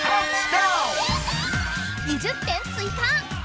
２０点ついか！